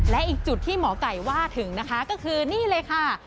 และอีกจุดที่หมอไก่ว่าถึงนะคะก็คือนี่เลยค่ะ